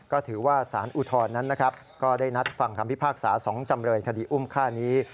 ก็ถือว่าสารอุทธรณ์นั้นนะครับก็ได้นัดฟังคำพิพากษา๒จำเลยคดีอุ้มฆ่านี้